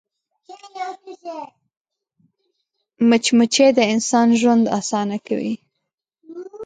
مچمچۍ د انسان ژوند اسانه کوي